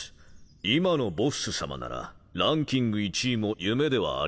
今のボッス様ならランキング１位も夢ではありません。